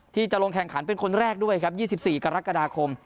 ที่จะลงแข่งขันเป็นคนแรกด้วยครับ๒๔กรกฎาคม